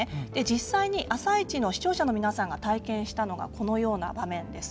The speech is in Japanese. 実際に「あさイチ」の視聴者の皆さんが体験したのがこのような場面です。